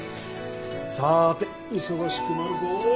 さて忙しくなるぞ。